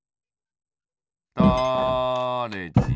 だれじん。